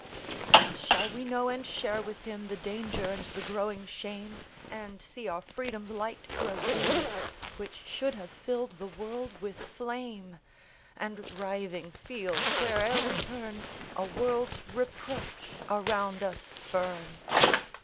And shall we know and share with him The danger and the growing shame? And see our Freedom's light grow dim, Which should have filled the world with flame? And, writhing, feel, where'er we turn, A world's reproach around us burn?